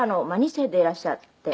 ２世でいらっしゃって。